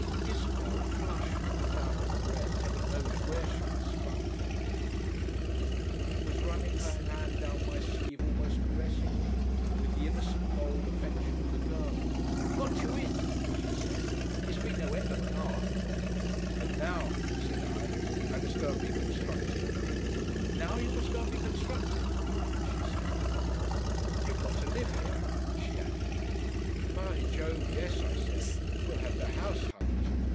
Isabel, flushed but not out of breath, Heaven knows where she had sprung from at that time of night! was running her hand down my sleeve almost caressingly, with the innocent bold affection of a girl. "Got you in!" she said. "It's been no end of a lark." "And now," said I, "I must go and be constructive." "Now you must go and be constructive," she said. "You've got to live here," she added. "By Jove! yes," I said. "We'll have to house hunt."